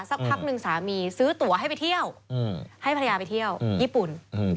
สักพักหนึ่งสามีซื้อตัวให้ไปเที่ยวให้ภรรยาไปเที่ยวญี่ปุ่น